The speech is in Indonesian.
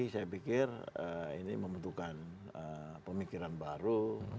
saya pikir ini membutuhkan pemikiran baru